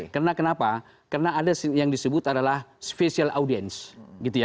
karena kenapa karena ada yang disebut adalah special audience